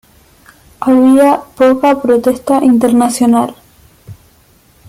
Había poca protesta internacional.